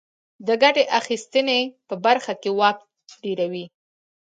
د ګټې اخیستنې په برخه کې واک ډېروي.